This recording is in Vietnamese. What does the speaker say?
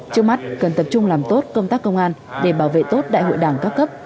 trước mắt cần tập trung làm tốt công tác công an để bảo vệ tốt đại hội đảng các cấp